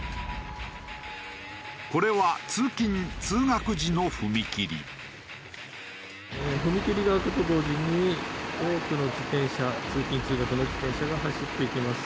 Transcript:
これは踏切が開くと同時に多くの自転車通勤通学の自転車が走っていきます。